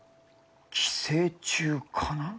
寄生虫かな？